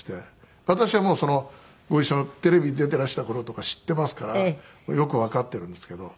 私はご一緒テレビに出ていらした頃とか知ってますからよくわかっているんですけど。